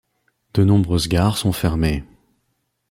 De nombreuses gares sont fermées.